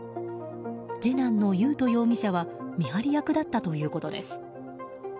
次男の優斗容疑者は見張り役だったということです。